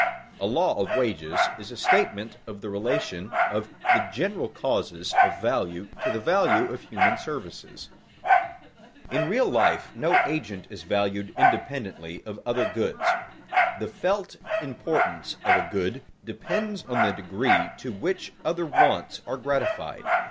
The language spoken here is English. A law of wages is a statement of the relation of the general causes of value to the value of human services. In real life no one agent is valued independently of other goods. The felt importance of a good depends on the degree to which other wants are gratified.